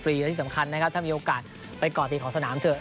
และที่สำคัญนะครับถ้ามีโอกาสไปก่อติดของสนามเถอะ